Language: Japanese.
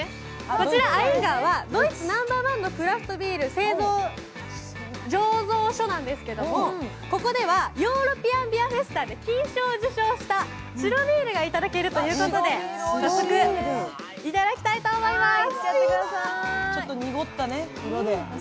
こちらのアインガーはクラフトビールの醸造所なんですけどここではヨーロピアンビアスターで金賞を受賞した白ビールが頂けるということで、早速、頂きたいと思います。